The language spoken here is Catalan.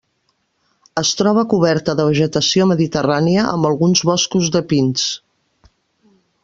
Es troba coberta de vegetació mediterrània, amb alguns boscos de pins.